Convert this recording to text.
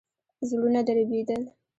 زړونه دربېدل.